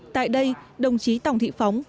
tại đây đồng chí tổng thị phóng